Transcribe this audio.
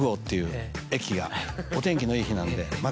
お天気のいい日なんで真っ